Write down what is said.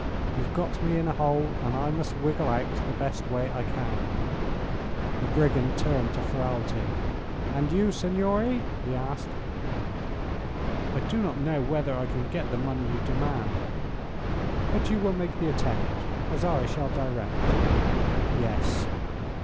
You've got me in a hole, and I must wiggle out the best way I can." The brigand turned to Ferralti. "And you, signore?" he asked. "I do not know whether I can get the money you demand." "But you will make the attempt, as I shall direct?" "Yes."